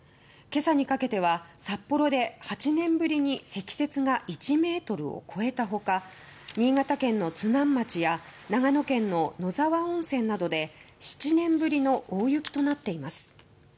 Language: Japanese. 今朝にかけては札幌で８年ぶりに積雪が１ｍを超えた他新潟県の津南町や長野県の野沢温泉などで７年ぶりの大雪となっています。